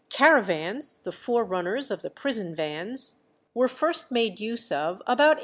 "Caravans," the forerunners of the prison vans, were first made use of about 1827.